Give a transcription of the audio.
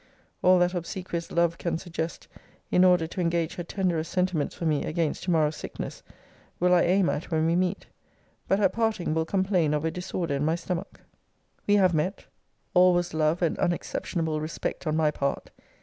All that obsequious love can suggest, in order to engage her tenderest sentiments for me against tomorrow's sickness, will I aim at when we meet. But at parting will complain of a disorder in my stomach. We have met. All was love and unexceptionable respect on my part.